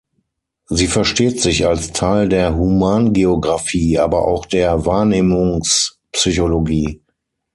Sie versteht sich als Teil der Humangeographie, aber auch der Wahrnehmungspsychologie.